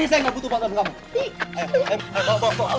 pak d saya tidak butuh bantuan kamu